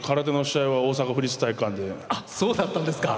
あそうだったんですか。